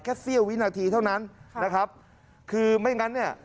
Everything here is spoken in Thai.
แค่เสี่ยววินาทีเท่านั้นคือไม่อย่างนั้น